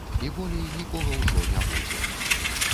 І болей нікога ўжо не будзе.